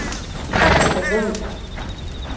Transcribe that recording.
Как тебя зовут?